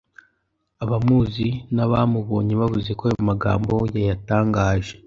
Abamuzi n’abamubonye bavuze ko ayo magambo yayatangaje